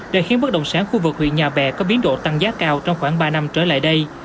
đã khiến bất động sản khu vực huyện nhà bè có biến độ tăng giá cao trong khoảng ba năm trở lại đây